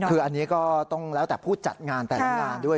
คืออันนี้ก็ต้องแล้วแต่ผู้จัดงานแต่ละงานด้วย